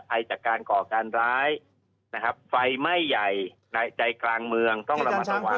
จากการก่อการร้ายนะครับไฟไหม้ใหญ่ในใจกลางเมืองต้องระมัดระวัง